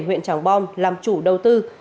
huyện tràng bom làm chủ đầu tư